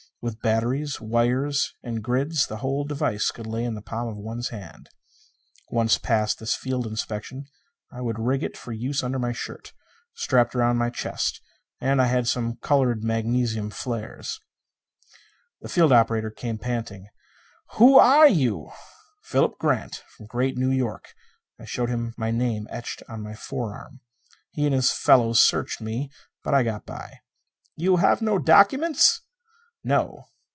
With batteries, wires and grids, the whole device could lay in the palm of one's hand. Once past this field inspection I would rig it for use under my shirt, strapped around my chest. And I had some colored magnesium flares. The field operator came panting. "Who are you?" "Philip Grant. From Great New York." I showed him my name etched on my forearm. He and his fellows searched me, but I got by. "You have no documents?" "No."